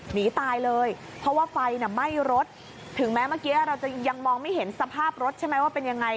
หนีตายเลยเพราะว่าไฟน่ะไหม้รถถึงแม้เมื่อกี้เราจะยังมองไม่เห็นสภาพรถใช่ไหมว่าเป็นยังไง